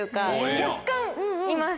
若干います